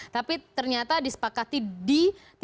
tapi ternyata disepakati di tiga belas tiga ratus